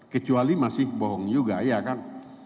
kecuali masih bohong juga ya kan